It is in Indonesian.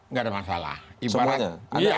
nggak ada masalah semuanya